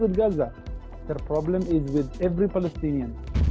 masalah mereka adalah dengan semua orang palestina